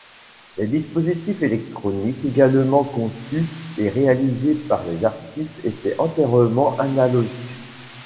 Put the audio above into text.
Les dispositifs électroniques, également conçus et réalisés par les artistes étaient entièrement analogiques.